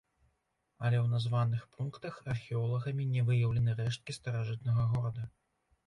Але ў названых пунктах археолагамі не выяўлены рэшткі старажытнага горада.